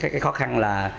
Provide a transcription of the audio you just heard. cái khó khăn là